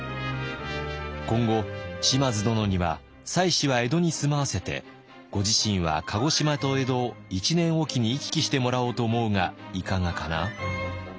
「今後島津殿には妻子は江戸に住まわせてご自身は鹿児島と江戸を１年おきに行き来してもらおうと思うがいかがかな？」。